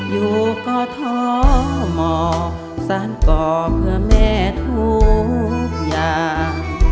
อยู่ก่อท้อหมอสารต่อเพื่อแม่ทุกอย่าง